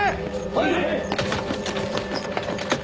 はい！